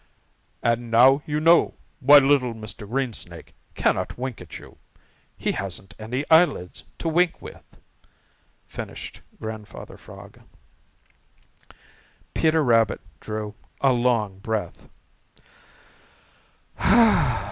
"And now you know why little Mr. Greensnake cannot wink at you; he hasn't any eyelids to wink with" finished Grandfather Frog. Peter Rabbit drew a long breath.